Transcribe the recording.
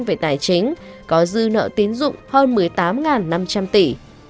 về tài chính có dư nợ tín dụng hơn một mươi tám năm trăm linh tỷ